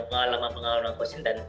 bagaimana menurut anda